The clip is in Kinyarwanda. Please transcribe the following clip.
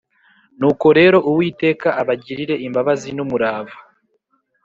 Nuko rero Uwiteka abagirire imbabazi n’umurava